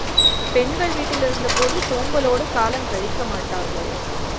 பெண்கள் வீட்டிலிருந்தபோது சோம்பலோடு காலங் கழிக்கமாட்டார்கள்.